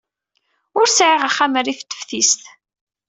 Ur sɛiɣ axxam rrif teftist.